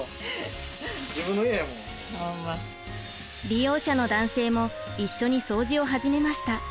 利用者の男性も一緒に掃除を始めました。